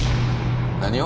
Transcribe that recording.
何を？